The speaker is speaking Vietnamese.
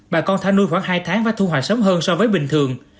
bà con thả nuôi khoảng hai tháng và thu hoạch sớm hơn so với bình thường